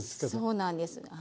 そうなんです。